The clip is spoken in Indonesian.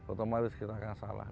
otomatis kita akan salah